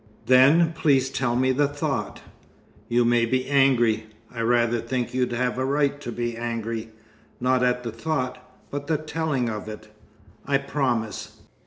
"Then please tell me the thought." "You may be angry. I rather think you'd have a right to be angry not at the thought, but the telling of it." "I promise."